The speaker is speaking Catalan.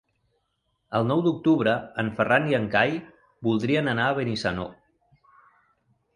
El nou d'octubre en Ferran i en Cai voldrien anar a Benissanó.